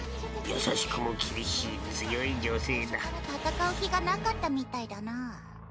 優しくも厳しい強い女性だ戦う気がなかったみたいだな。